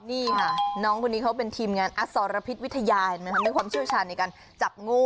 นี่ค่ะน้องคนนี้เขาเป็นทีมงานอสรพิษวิทยาเห็นไหมมีความเชี่ยวชาญในการจับงู